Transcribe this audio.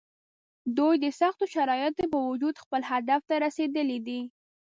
دوی د سختو شرایطو باوجود خپل هدف ته رسېدلي دي.